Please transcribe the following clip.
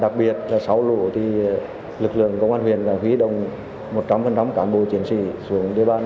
đặc biệt là sáu lũ thì lực lượng công an huyền đã hủy động một trăm linh cám bộ chiến sĩ xuống địa bàn